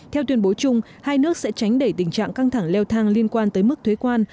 theo tuyên bố chung hai nước sẽ tránh để tình trạng căng thẳng leo thang liên quan tới mức thuế quan